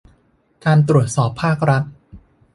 การตรวจสอบภาครัฐ